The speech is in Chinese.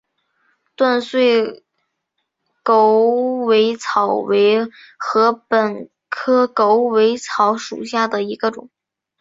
断穗狗尾草为禾本科狗尾草属下的一个种。